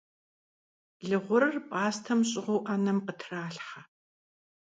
Лы гъурыр пӀастэм щӀыгъуу Ӏэнэм къытралъхьэ.